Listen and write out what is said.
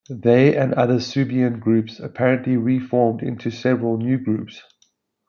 They and other Suebian groups apparently reformed into several new groups.